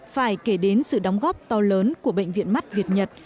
phải kể đến sự đóng góp to lớn của bệnh viện mắt việt nhật